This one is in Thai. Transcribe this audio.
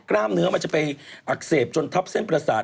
กล้ามเนื้อมันจะไปอักเสบจนทับเส้นประสาท